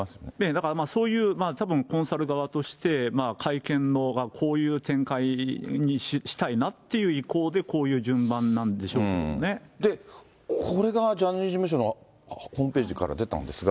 だからそういう、たぶんコンサル側として、会見の、こういう展開にしたいなという意向でこういう順番なんでしょうけで、これがジャニーズ事務所のホームページから出たんですが。